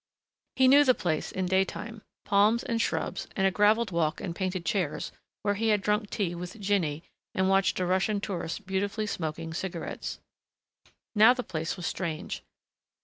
He knew the place in daytime palms and shrubs and a graveled walk and painted chairs where he had drunk tea with Jinny and watched a Russian tourist beautifully smoking cigarettes. Now the place was strange.